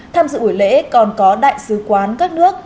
tham dự buổi lễ còn có đại sứ quán các nước